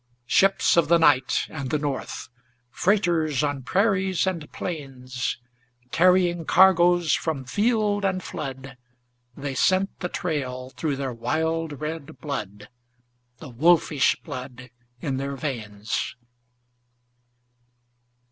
Ships of the night and the north, Freighters on prairies and plains, Carrying cargoes from field and flood They scent the trail through their wild red blood, The wolfish blood in their veins.